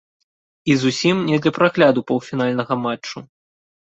І зусім не для прагляду паўфінальнага матчу.